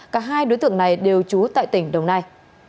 cả hai đối tượng này đều trú tại tỉnh đồng nai